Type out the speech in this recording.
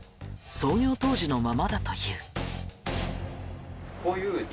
創業当時のままだという。